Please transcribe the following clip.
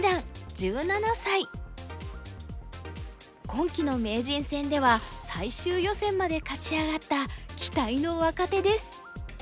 今期の名人戦では最終予選まで勝ち上がった期待の若手です。